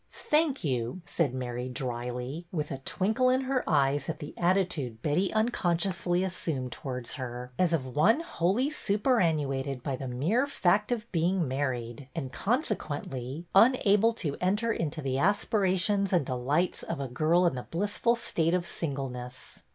" Thank you," said Mary, dryly, with a twinkle in her eyes at the attitude Betty unconsciously 9 130 BETTY BAIRD'S VENTURES assumed towards her, as of one wholly superan nuated by the mere fact of being married and con sequently unable to enter into the aspirations and delights of a girl in the blissful state of singleness.